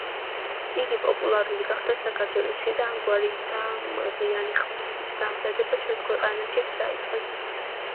იგი პოპულარული გახდა საქართველოში და ამგვარი დამღიანი ხმლების დამზადება ჩვენს ქვეყანაშიც დაიწყეს.